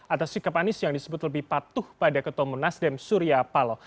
atas sikap anies yang disebut lebih patuh pada ketemu nasdem surya paloh